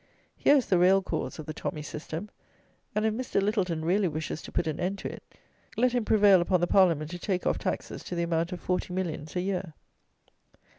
Here is the real cause of the tommy system; and if Mr. Littleton really wishes to put an end to it, let him prevail upon the Parliament to take off taxes to the amount of forty millions a year.